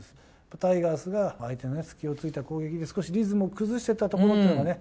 タイガースが相手の隙をついた攻撃で少しリズムを崩してたところでね、